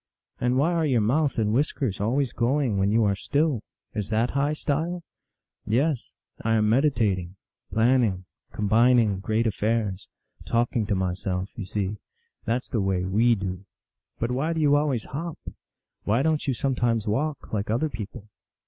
"And why are your mouth and whiskers always going when you are still ? Is that high style ?"" Yes ; I am meditating, planning, combining reat 15 226 THE ALGONQUIN LEGENDS. affairs ; talking to myself, you see. That s the way we do." " But why do you always hop ? Why don t you sometimes walk, like other people